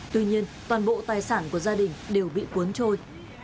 tuy nhiên toàn bộ tài sản của gia đình đều bị cuốn trôi